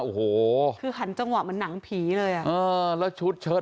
โหพี่กลัวใจหายหมดเลยนุ่มเอ๊ย